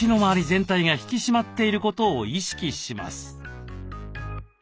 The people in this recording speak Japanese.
全体が引き締まっていることを意識します。